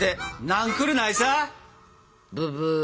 ブブー。